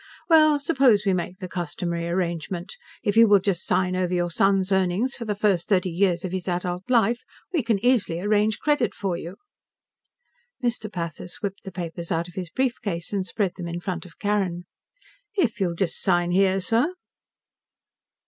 "Well, suppose we make the customary arrangement. If you will just sign over your son's earnings for the first thirty years of his adult life, we can easily arrange credit for you." Mr. Pathis whipped the papers out of his briefcase and spread them in front of Carrin. "If you'll just sign here, sir."